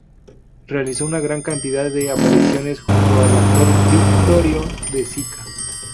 Realizó una gran cantidad de apariciones junto al actor Vittorio De Sica.